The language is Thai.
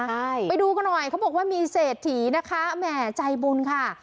ใช่ไปดูกันหน่อยเขาบอกว่ามีเศรษฐีนะคะแหม่ใจบุญค่ะ